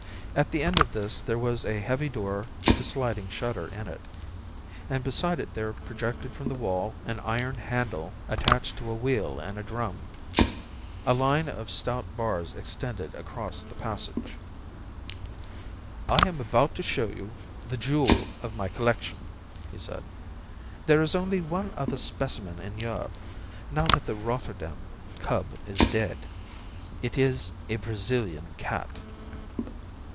At the end of this there was a heavy door with a sliding shutter in it, and beside it there projected from the wall an iron handle attached to a wheel and a drum. A line of stout bars extended across the passage. "I am about to show you the jewel of my collection," said he. "There is only one other specimen in Europe, now that the Rotterdam cub is dead. It is a Brazilian cat."